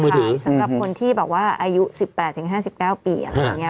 สำหรับคนที่แบบว่าอายุ๑๘๕๙ปีอะไรอย่างนี้